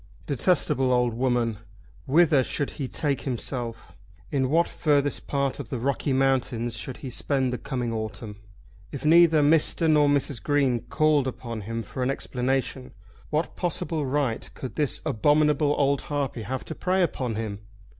Detestable old woman! Whither should he take himself? In what furthest part of the Rocky Mountains should he spend the coming autumn? If neither Mr. nor Mrs. Green called upon him for an explanation, what possible right could this abominable old harpy have to prey upon him?